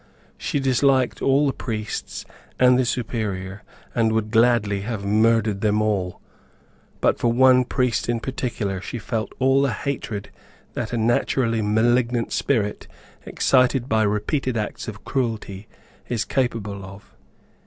She disliked all the priests, and the Superior, and would gladly have murdered them all. But for one priest in particular, she felt all the hatred that a naturally malignant spirit, excited by repeated acts of cruelty, is capable of.